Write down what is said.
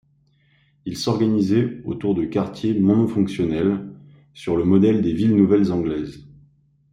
Il s'organisait autour de quartiers monofonctionnels, sur le modèle des villes nouvelles anglaises.